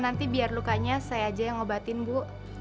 nanti biar lukanya saya aja yang ngobatin bu